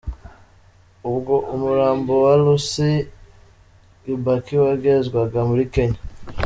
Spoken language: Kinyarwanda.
Ubwo umurambo wa Lucy Kibaki wagezwaga muri Kenya.